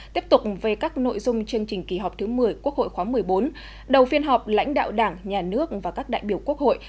tiếp tục về các nội dung chương trình kỳ họp thứ một mươi quốc hội khóa một mươi bốn đầu phiên họp lãnh đạo đảng nhà nước và các đại biểu quốc hội